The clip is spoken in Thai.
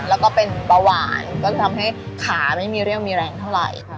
แล้วก็เป็นเบาหวานก็จะทำให้ขาไม่มีเรี่ยวมีแรงเท่าไหร่